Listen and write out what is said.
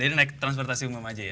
jadi naik transportasi umum aja ya